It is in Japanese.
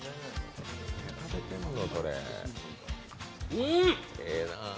うん！